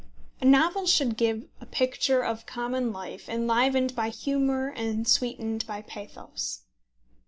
A novel should give a picture of common life enlivened by humour and sweetened by pathos.